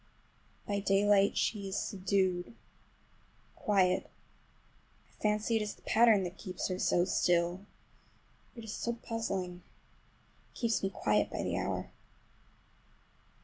By daylight she is subdued, quiet. I fancy it is the pattern that keeps her so still. It is so puzzling. It keeps me quiet by the hour.